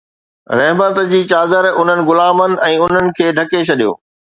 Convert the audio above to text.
رحمت جي چادر انهن غلامن ۽ انهن کي ڍڪي ڇڏيو